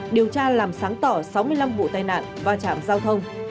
điều tra làm sáng tỏ sáu mươi năm vụ tai nạn va chạm giao thông